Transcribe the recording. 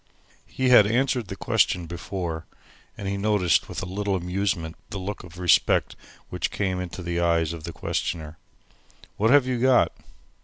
He had answered the question before, and had noticed with a little amusement the look of respect which came into the eyes of the questioner. "What have you got!"